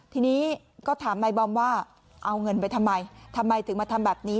ทีนี้ก็ถามนายบอมว่าเอาเงินไปทำไมทำไมถึงมาทำแบบนี้